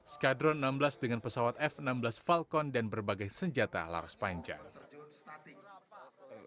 skadron enam belas dengan pesawat f enam belas falcon dan berbagai senjata laras panjang